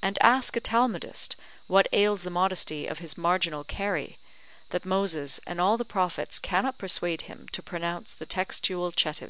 And ask a Talmudist what ails the modesty of his marginal Keri, that Moses and all the prophets cannot persuade him to pronounce the textual Chetiv.